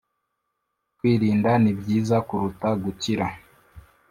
kwirinda nibyiza kuruta gukira